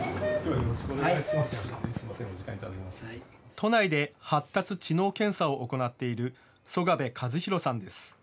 都内で発達・知能検査を行っている曽我部和広さんです。